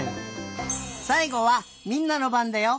さいごはみんなのばんだよ。